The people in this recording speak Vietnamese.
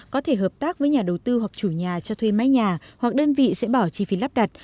có thể hợp tác với nhà đầu tư hoặc chủ nhà cho thuê máy nhà hoặc đơn vị sẽ bỏ chi phí lắp đặt